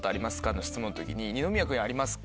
の質問の時に二宮君にありますか？